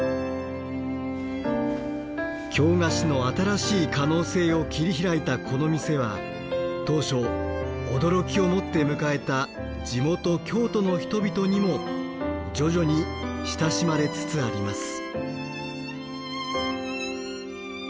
京菓子の新しい可能性を切り開いたこの店は当初驚きを持って迎えた地元京都の人々にも徐々に親しまれつつあります。